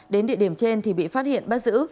đến địa điểm trên thì bị phát hiện bắt giữ